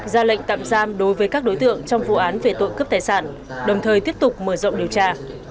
ra lệnh tạm giam đối với các đối tượng trong vụ án về tội cướp tài sản đồng thời tiếp tục mở rộng điều tra